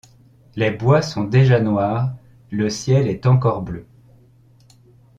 Les bois sont déjà noirs, le ciel est encor bleu...